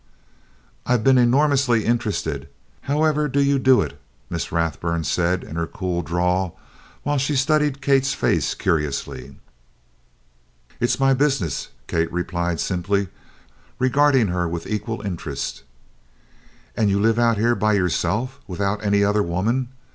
"I've been enormously interested however do you do it?" Miss Rathburn said in her cool drawl, while she studied Kate's face curiously. "It's my business," Kate replied simply, regarding her with equal interest. "And you live out here by yourself, without any other woman?